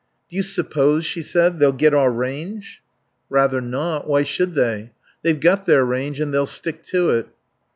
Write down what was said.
"Do you suppose," she said, "they'll get our range?" "Rather not. Why should they? They've got their range and they'll stick to it."